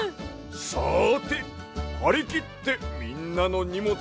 さてはりきってみんなのにもつはこぶで。